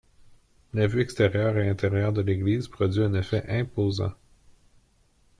La vue extérieure et intérieure de l'église produit un effet imposant.